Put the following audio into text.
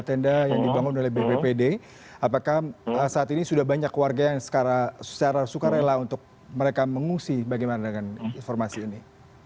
tenda yang dibangun oleh bppd apakah saat ini sudah banyak warga yang secara sukarela untuk mereka mengungsi bagaimana dengan informasi ini